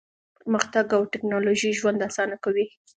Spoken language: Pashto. پرمختګ او ټیکنالوژي ژوند اسانه کوي.